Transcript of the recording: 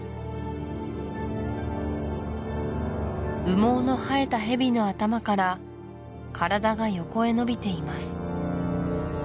羽毛の生えた蛇の頭から体が横へ延びています